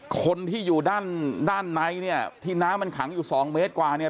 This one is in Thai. คนที่อยู่ด้านด้านในเนี่ยที่น้ำมันขังอยู่สองเมตรกว่าเนี่ย